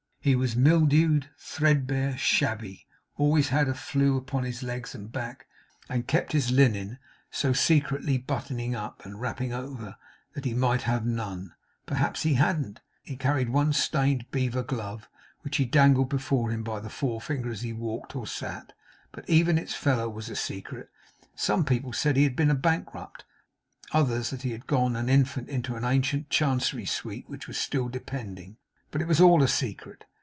He was mildewed, threadbare, shabby; always had flue upon his legs and back; and kept his linen so secretly buttoning up and wrapping over, that he might have had none perhaps he hadn't. He carried one stained beaver glove, which he dangled before him by the forefinger as he walked or sat; but even its fellow was a secret. Some people said he had been a bankrupt, others that he had gone an infant into an ancient Chancery suit which was still depending, but it was all a secret.